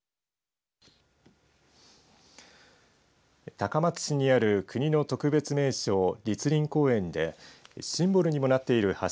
高松市にある国の特別名勝栗林公園でシンボルにもなっている橋